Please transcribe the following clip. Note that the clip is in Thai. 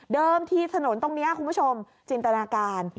ที่ถนนตรงนี้คุณผู้ชมจินตนาการ